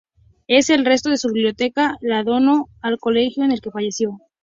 El resto de su biblioteca la donó al colegio en que falleció.